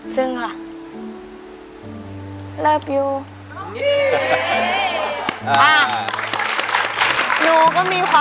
ซึ้งค่ะ